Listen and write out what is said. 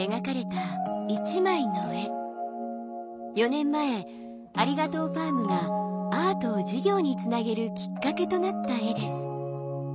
４年前ありがとうファームがアートを事業につなげるきっかけとなった絵です。